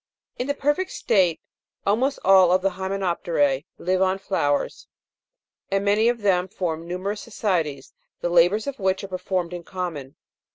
3. In the perfect state, almost all the Hymenop'terse live on flowers, and many of them form numerous societies, the labours of which are performed in common.